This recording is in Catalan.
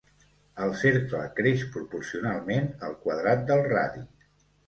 El cercle creix proporcionalment al quadrat del radi.